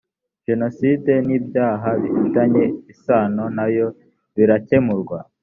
jenoside n ibyaha bifitanye isano na yo birakemurwa